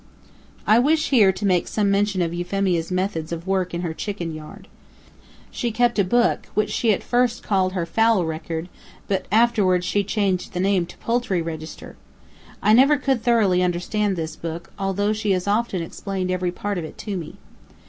I wish here to make some mention of Euphemia's methods of work in her chicken yard. She kept a book, which she at first called her "Fowl Record," but she afterward changed the name to "Poultry Register." I never could thoroughly understand this book, although she has often explained every part of it to me.